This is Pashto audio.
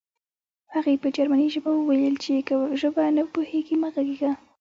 هغې په جرمني ژبه وویل چې که ژبه نه پوهېږې مه غږېږه